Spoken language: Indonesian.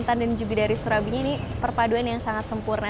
tentang dan jubi dari surabinya ini perpaduan yang sangat sempurna